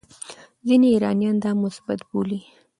ځینې ایرانیان دا مثبت بولي.